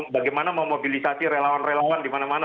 bagaimana memobilisasi relawan relawan dimana mana